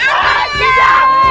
dia yang harus ditangkap